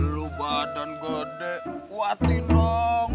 lu badan gede kuatin dong